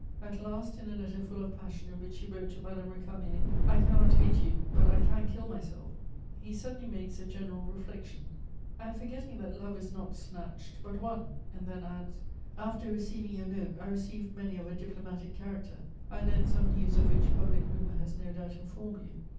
At last, in a letter full of passion in which he wrote to Madame Récamier, 'I cannot hate you, but I can kill myself,' he suddenly makes a general reflection: 'I am forgetting that love is not snatched, but won,' and then adds, 'After receiving your note, I received many of a diplomatic character; I learnt some news of which public rumour has no doubt informed you.